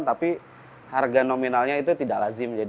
tapi harga nominalnya itu tidak lazim